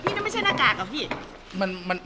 พี่นั้นไม่ใช่น้ากากหรอพี่